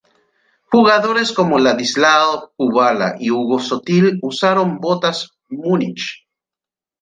Jugadores como Ladislao Kubala y Hugo Sotil usaron botas Munich.